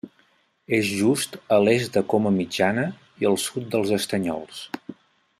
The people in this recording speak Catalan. És just a l'est de Coma Mitjana i al sud dels Estanyols.